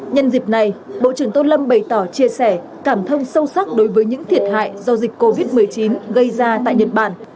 nhân dịp này bộ trưởng tô lâm bày tỏ chia sẻ cảm thông sâu sắc đối với những thiệt hại do dịch covid một mươi chín gây ra tại nhật bản